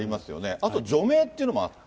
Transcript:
あと除名というのもあって。